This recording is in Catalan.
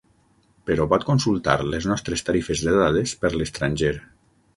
Però pot consultar les nostres tarifes de dades per l'estranger.